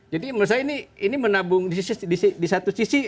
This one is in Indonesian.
jadi menurut saya ini menabung di satu sisi